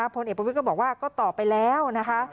พลเอกประวิทย์ก็บอกว่าก็ตอบไปแล้วนะคะ